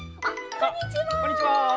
こんにちは！